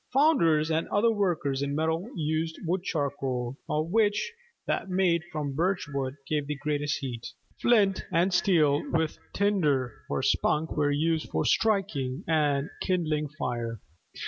Founders and other workers in metal used wood charcoal, of which that made from birch wood gave the greatest heat. Flint and steel with tinder (or spunk) were used for striking and kindling fire.